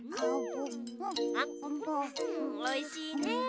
おいしいね！